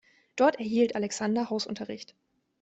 Dort erhielt Alexander Hausunterricht.